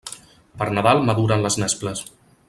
Per Nadal maduren les nesples.